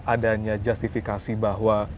adanya justifikasi bahwa